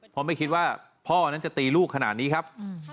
เพราะไม่คิดว่าพ่อนั้นจะตีลูกขนาดนี้ครับ